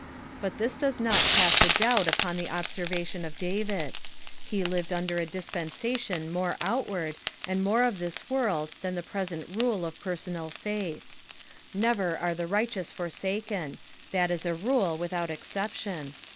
But this does not cmst a doubt upon the observation of David. Be lived under a dispensation more outward, and more of this world than tbe present riilo of personal faith. ~ Never are the righteous forsaken ; that is a rule without exception.